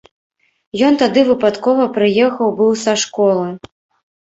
Ён тады выпадкова прыехаў быў са школы.